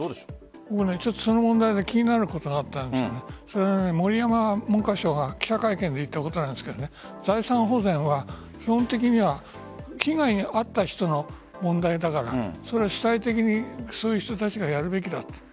その問題で気になることがあって盛山文科大臣が記者会見で言ったことなんですが財産保全は、基本的には被害に遭った人の問題だからそれを主体的にする人たちがやるべきだと。